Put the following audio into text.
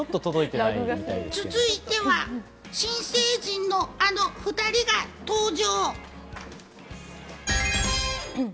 続いては、新成人のあの２人が登場。